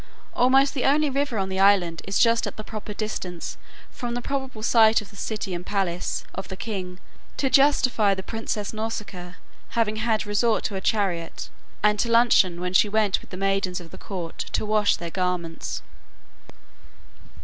"Almost the only river in the island is just at the proper distance from the probable site of the city and palace of the king, to justify the princess Nausicaa having had resort to her chariot and to luncheon when she went with the maidens of the court to wash their garments."